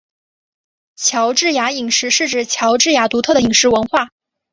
乔治亚饮食是指乔治亚独特的饮食文化。